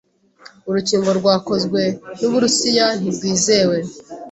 urukingo rwakozwe n'Uburusiya ntirwizewe